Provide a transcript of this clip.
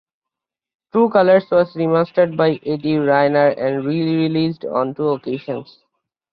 True Colours was remastered by Eddie Rayner and re-released on two occasions.